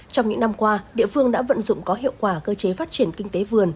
trong những năm qua địa phương đã vận dụng có hiệu quả cơ chế phát triển kinh tế vườn